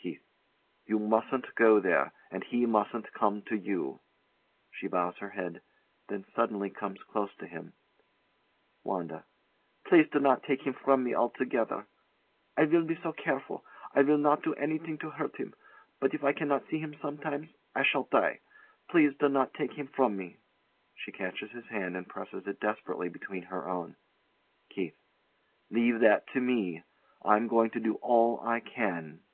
KEITH. You mustn't go there, and he mustn't come to you. [She bows her head; then, suddenly comes close to him.] WANDA. Please do not take him from me altogether. I will be so careful. I will not do anything to hurt him. But if I cannot see him sometimes, I shall die. Please do not take him from me. [She catches his hand and presses it desperately between her own.] KEITH. Leave that to me. I'm going to do all I can.